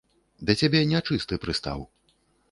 Да цябе нячысты прыстаў.